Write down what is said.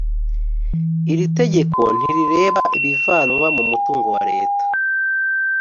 iri tegeko ntirireba ibivanwa mu mutungo wa leta